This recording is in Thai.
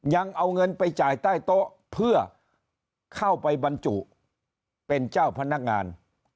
ยังเอาเงินไปจ่ายใต้โต๊ะเพื่อเข้าไปบรรจุเป็นเจ้าพนักงาน